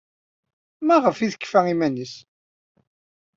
Maɣef ay tefka iman-nnes?